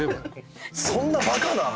そんなバカな！